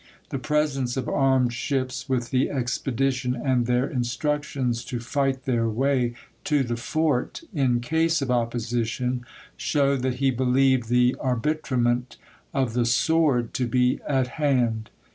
The presence of armed ships with the expedition, and their instructions to fight their way to the fort in case of opposition, show that he believed the ar bitrament of the sword to be at hand.